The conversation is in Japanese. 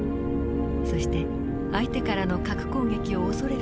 そして相手からの核攻撃を恐れる